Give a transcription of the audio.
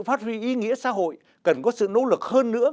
phát huy ý nghĩa xã hội cần có sự nỗ lực hơn nữa